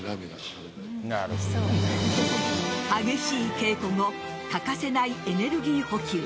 激しい稽古後欠かせないエネルギー補給。